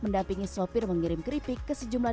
mendampingi sopir mengirim keripik ke sejumlah